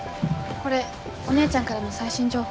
これお姉ちゃんからの最新情報。